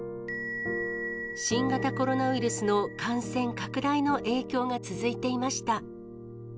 新型コロナウイルスの感染拡大の影響が続いていました。